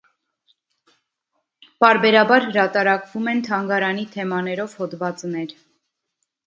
Պարբերաբար հրատարակվում են թանգարանի թեմաներով հոդվածներ։